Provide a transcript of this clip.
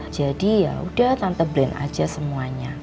jadi yaudah tante blend aja semuanya